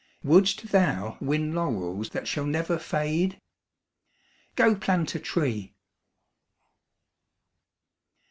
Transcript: Wouldst thou win laurels that shall never fade? Go plant a tree.